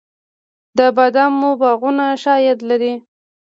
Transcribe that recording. د بادامو باغونه ښه عاید لري؟